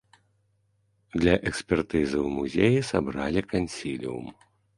Для экспертызы ў музеі сабралі кансіліум.